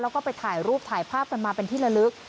แล้วก็ไปถ่ายรูปถ่ายภาพกันมาเป็นที่ละลึก